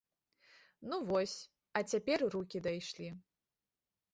Ну вось, а цяпер рукі дайшлі.